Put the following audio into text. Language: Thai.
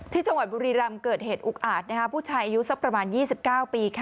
ที่จังหวัดบุรีรำเกิดเหตุอุกอาจผู้ชายอายุสักประมาณ๒๙ปี